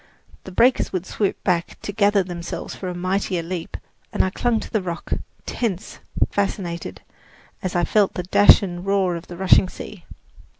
The breakers would swoop back to gather themselves for a mightier leap, and I clung to the rock, tense, fascinated, as I felt the dash and roar of the rushing sea!